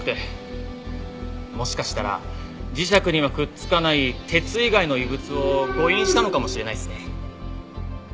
もしかしたら磁石にはくっつかない鉄以外の異物を誤飲したのかもしれないですね。